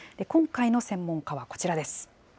今回の専門家はこちらです。